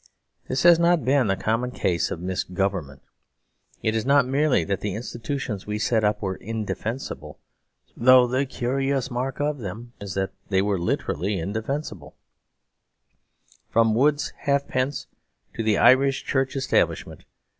This has not been the common case of misgovernment. It is not merely that the institutions we set up were indefensible; though the curious mark of them is that they were literally indefensible; from Wood's Halfpence to the Irish Church Establishment.